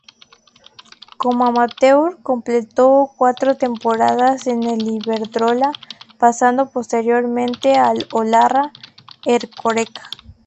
Como amateur completó cuatro temporadas en el Iberdrola, pasando posteriormente al Olarra-Ercoreca.